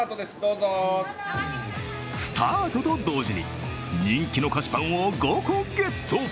スタートと同時に、人気の菓子パンを５個ゲット。